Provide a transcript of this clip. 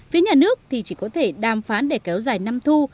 phía nhà nước thì chỉ có thể đàm phán để kéo dài năm thu